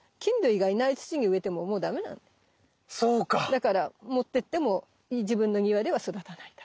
だから持ってっても自分の庭では育たないんだ。